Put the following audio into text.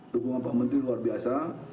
dukungan pak menteri luar biasa